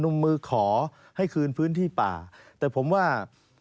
พนมมือขอให้คืนพื้นที่ป่า